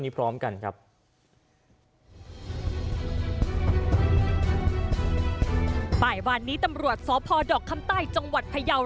เมื่อวานนี้ตำรวจสพดอกคำใต้จังหวัดพยาว